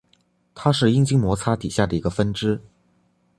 它是阴茎摩擦底下的一个分支。